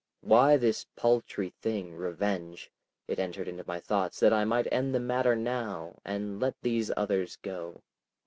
Why this paltry thing, revenge? It entered into my thoughts that I might end the matter now and let these others go.